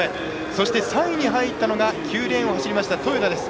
そして、３位に入ったのは９レーンを走りました豊田です。